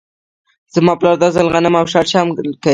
زما پلار دا ځل غنم او شړشم کري.